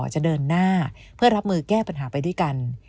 จะเดินหน้าเพื่อรับมือแก้ปัญหาไปด้วยกัน